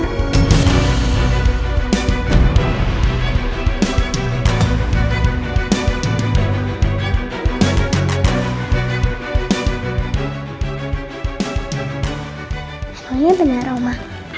emangnya bener oma